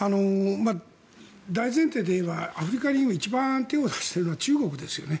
大前提で言えばアフリカに今、一番手を出しているのは中国ですよね。